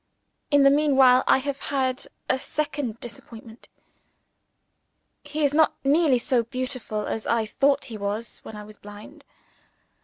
In the meanwhile, I have had a second disappointment. He is not nearly so beautiful as I thought he was when I was blind.